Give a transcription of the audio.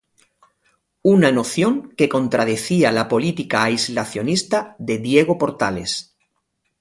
Una noción que contradecía la política aislacionista de Diego Portales.